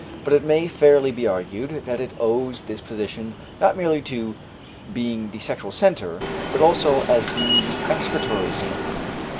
But it may fairly be argued that it owes this position not merely to being the sexual centre, but also as being the excretory centre.